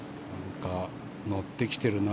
乗ってきているな。